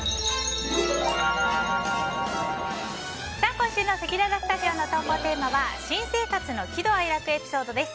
今週のせきららスタジオの投稿テーマは新生活の喜怒哀楽エピソードです。